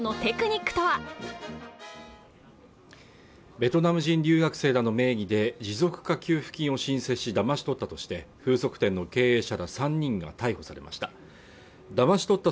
ベトナム人留学生らの名義で持続化給付金を申請しだまし取ったとして風俗店の経営者ら３人が逮捕されました